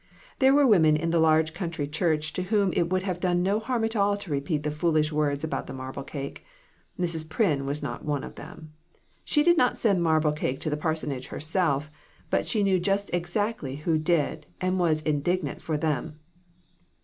There were women in that large country church to whom it would have done no harm at all to repeat the foolish words about the marble cake. Mrs. Pryn was not one of them ; she did not send marble cake to the par sonage herself, but she knew just exactly who did, and was indignant for them.